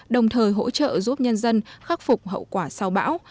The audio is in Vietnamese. đồng thời hỗ trợ giúp nhân dân khắc phục hậu quả sau bão